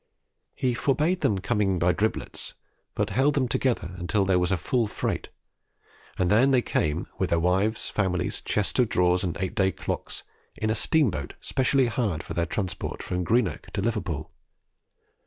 He forbade them coming by driblets, but held them together until there was a full freight; and then they came, with their wives, families, chests of drawers, and eight day clocks, in a steamboat specially hired for their transport from Greenock to Liverpool.